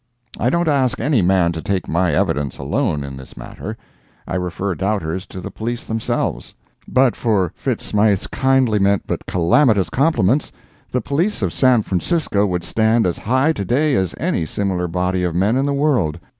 I don't ask any man to take my evidence alone in this matter—I refer doubters to the police themselves. But for Fitz Smythe's kindly meant but calamitous compliments, the police of San Francisco would stand as high to day as any similar body of men in the world.